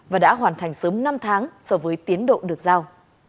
và đã hoàn thành sớm năm tháng so với tiến độ được giao